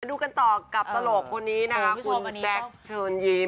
ดูกันต่อกับตลกคนนี้นะคะคุณแจ๊คเชิญยิ้ม